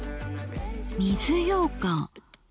「水ようかん」。